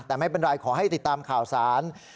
แต่ไม่เป็นไรขอให้ติดตามข่าวสาร